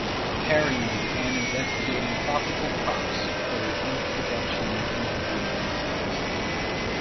Perrine began investigating tropical crops for introduction into the United States.